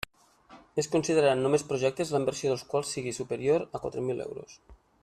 Es consideraran només projectes la inversió dels quals siga superior a quatre mil euros.